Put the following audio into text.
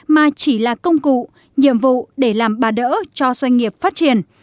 mà chỉ là công cụ nhiệm vụ để làm bà đỡ cho doanh nghiệp phát triển